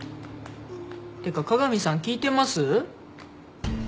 てか加賀美さん聞いてます？